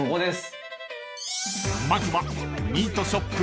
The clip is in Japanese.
［まずは］